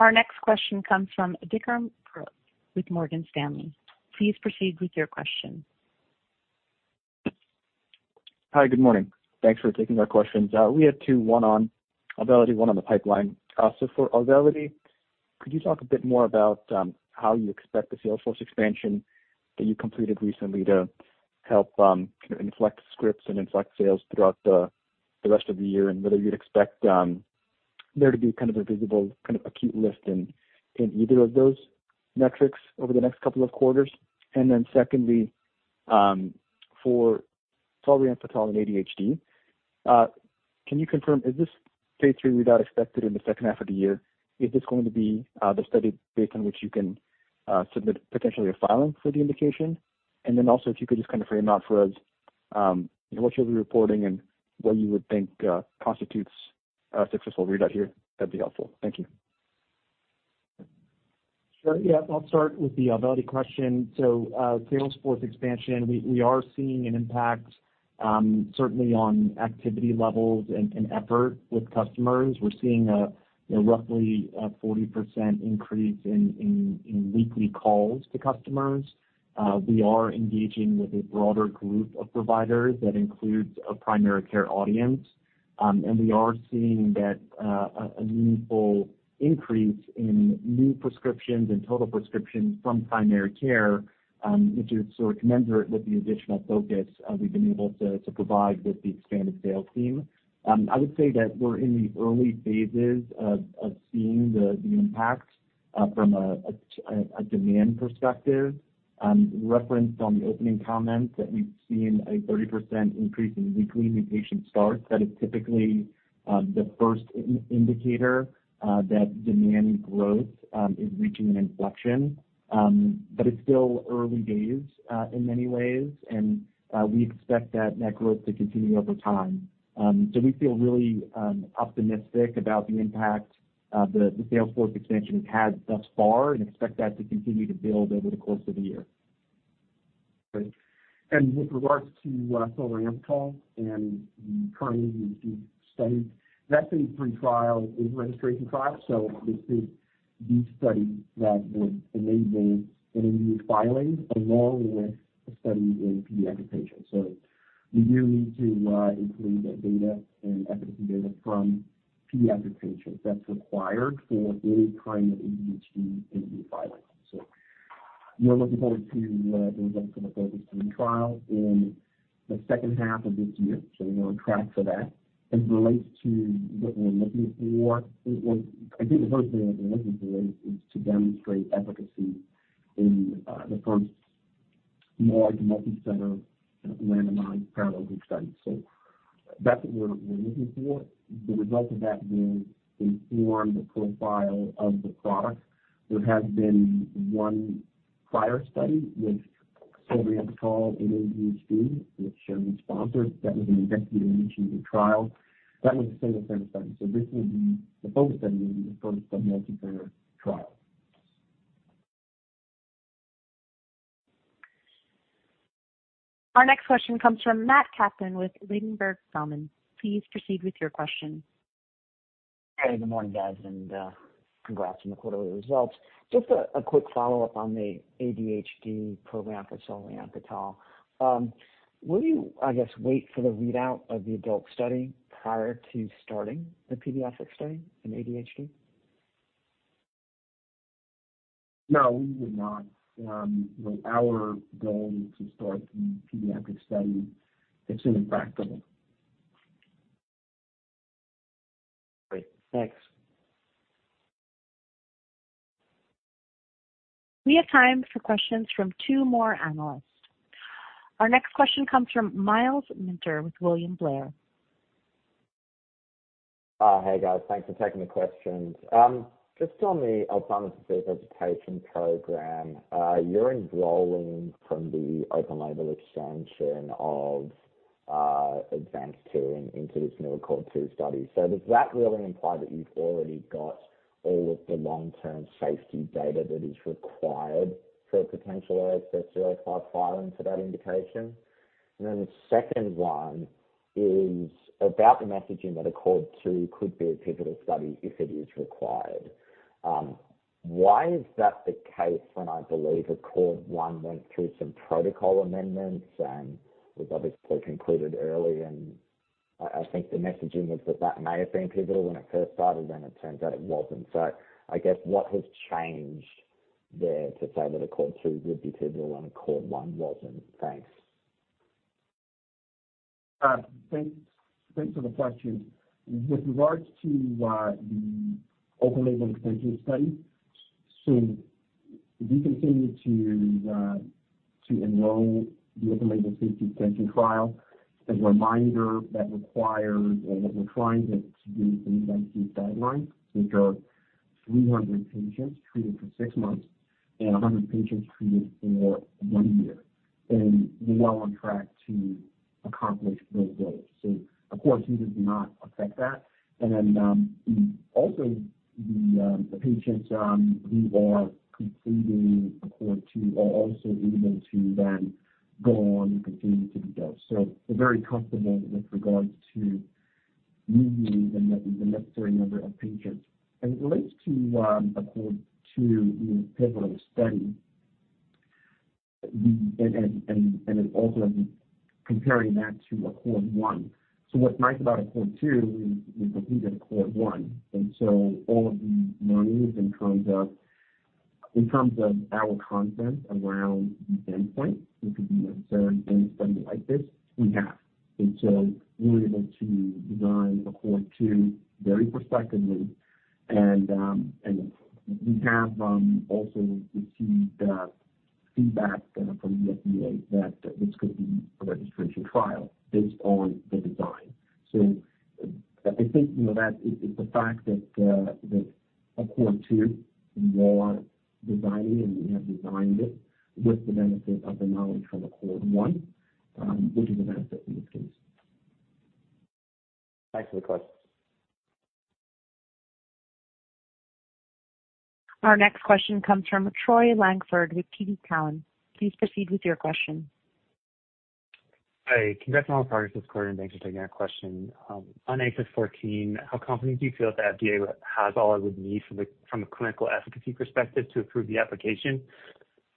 Our next question comes from Vikram Purohit with Morgan Stanley. Please proceed with your question. Hi, good morning. Thanks for taking our questions. We have two, one on Auvelity, one on the pipeline. So for Auvelity, could you talk a bit more about how you expect the salesforce expansion that you completed recently to help kind of inflect scripts and inflect sales throughout the rest of the year? And whether you'd expect there to be kind of a visible kind of acute lift in either of those metrics over the next couple of quarters? And then secondly, for solriamfetol and ADHD, can you confirm, is this phase 3 readout expected in the second half of the year? Is this going to be the study based on which you can submit potentially a filing for the indication? And then also, if you could just kind of frame out for us, what you'll be reporting and what you would think, constitutes a successful readout here, that'd be helpful? Thank you. Sure. Yeah, I'll start with the Auvelity question. So, sales force expansion, we are seeing an impact certainly on activity levels and effort with customers. We're seeing, you know, roughly, a 40% increase in weekly calls to customers. We are engaging with a broader group of providers that includes a primary care audience. And we are seeing a meaningful increase in new prescriptions and total prescriptions from primary care, which is sort of commensurate with the additional focus we've been able to provide with the expanded sales team. I would say that we're in the early phases of seeing the impact from a demand perspective. Referenced on the opening comments that we've seen a 30% increase in weekly new patient starts. That is typically the first indicator that demand growth is reaching an inflection. But it's still early days in many ways. And we expect that net growth to continue over time. So we feel really optimistic about the impact the sales force expansion has thus far and expect that to continue to build over the course of the year. Great. And with regards to Solriamfetol and the current study, that phase 3 trial is a registration trial, so this is the study that would enable a new filing, along with a study in pediatric patients. So we do need to include that data and efficacy data from pediatric patients. That's required for any kind of ADHD filing. So we are looking forward to the results of the phase 3 trial in the second half of this year. So we're on track for that. As it relates to what we're looking for, well, I think the first thing that we're looking for is to demonstrate efficacy in the first large multicenter randomized parallel group study. So that's what we're, we're looking for. The result of that will inform the profile of the product. There has been one prior study which-... We have a call in ADHD, which Sharon sponsored. That was an executive initiative trial. That was a single-center study. This will be, the FOCUS study will be the first multicenter trial. Our next question comes from Matt Kaplan with Ladenburg Thalmann. Please proceed with your question. Hey, good morning, guys, and, congrats on the quarterly results. Just a quick follow-up on the ADHD program for solriamfetol. Will you, I guess, wait for the readout of the adult study prior to starting the pediatrics study in ADHD? No, we will not. Our goal is to start the pediatric study as soon as practical. Great. Thanks. We have time for questions from two more analysts. Our next question comes from Myles Minter with William Blair. Hey, guys. Thanks for taking the questions. Just on the Alzheimer's disease education program, you're enrolling from the open label extension of ADVANCE-2 into this new ACCORD-2 study. So does that really imply that you've already got all of the long-term safety data that is required for a potential AXS-05 filing for that indication? And then the second one is about the messaging that ACCORD-2 could be a pivotal study if it is required. Why is that the case when I believe ACCORD-1 went through some protocol amendments and was obviously concluded early? And I think the messaging was that that may have been pivotal when it first started, and it turns out it wasn't. So I guess, what has changed there to say that ACCORD-2 would be pivotal and ACCORD-1 wasn't? Thanks. Thanks, thanks for the question. With regards to, the open label extension study, so we continue to, to enroll the open label safety extension trial. As a reminder, that requires, or what we're trying to do with the guidelines, which are 300 patients treated for six months and 100 patients treated for one year, and we're well on track to accomplish those goals. So of course, we would not affect that. And then, also the, the patients, who are completing ACCORD 2 are also able to then go on and continue to be dosed. So we're very comfortable with regards to meeting the necessary number of patients. And it relates to, ACCORD 2, the pivotal study, and also comparing that to ACCORD 1. So what's nice about ACCORD-2 is that we did ACCORD-1, and so all of the learnings in terms of our content around the endpoint, which would be necessary in a study like this, we have. And so we were able to design ACCORD-2 very prospectively and we have also received feedback from the FDA that this could be a registration trial based on the design. So I think, you know, that is the fact that that ACCORD-2, we are designing and we have designed it with the benefit of the knowledge from ACCORD-1, which is an asset in this case. Thanks for the call. Our next question comes from Troy Langford with TD Cowen. Please proceed with your question. Hi, congrats on the progress this quarter, and thanks for taking our question. On AXS-14, how confident do you feel that the FDA has all it would need from a, from a clinical efficacy perspective to approve the application?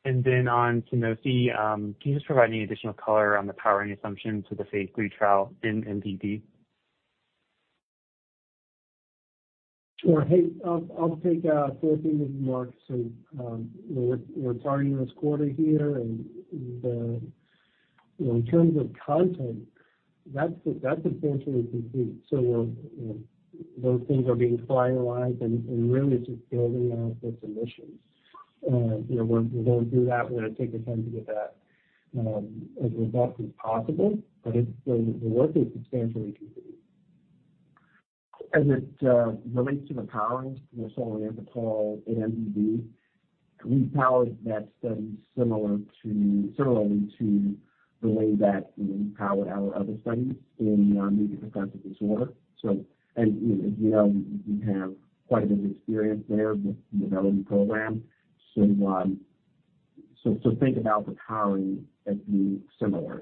And then on to Sunosi, can you just provide any additional color on the powering assumption to the phase 3 trial in MDD? Sure. Hey, I'll take 14 with Mark. So, we're targeting this quarter here. You know, in terms of content, that's essentially complete. So, you know, those things are being finalized and really just building out the submissions. You know, we're going to do that. We're going to take the time to get that as robust as possible, but the work is substantially complete. As it relates to the powering for Solriamfetol in MDD, we powered that study similarly to the way that we powered our other studies in major depressive disorder. So, and, you know, we have quite a bit of experience there with the development program. So, think about the powering as being similar.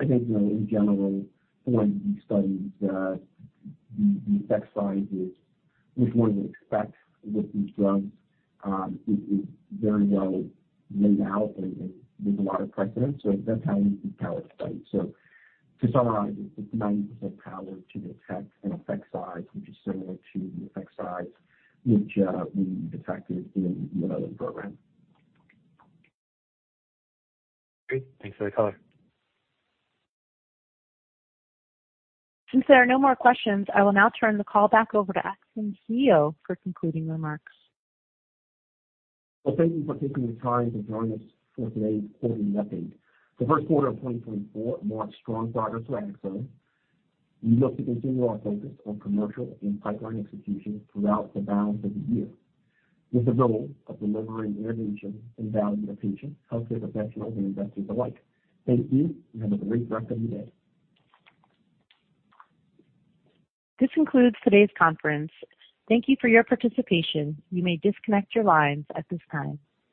I think, you know, in general, when these studies, the effect size is what you'd expect with these drugs, is very well laid out, and there's a lot of precedence, so that's how you would power the study. To summarize, it's 90% power to detect an effect size, which is similar to the effect size which, we detected in the development program. Great. Thanks for the color. Since there are no more questions, I will now turn the call back over to Axsome's CEO for concluding remarks. Well, thank you for taking the time to join us for today's quarterly update. The first quarter of 2024 marked strong progress for Axsome. We look to continue our focus on commercial and pipeline execution throughout the balance of the year, with the goal of delivering innovation and value to patients, healthcare professionals, and investors alike. Thank you, and have a great rest of the day. This concludes today's conference. Thank you for your participation. You may disconnect your lines at this time.